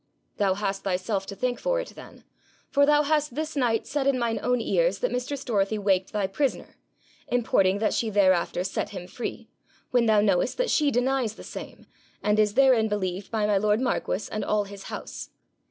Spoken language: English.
'Thou hast thyself to thank for it then, for thou hast this night said in mine own ears that mistress Dorothy waked thy prisoner, importing that she thereafter set him free, when thou knowest that she denies the same, and is therein believed by my lord marquis and all his house.'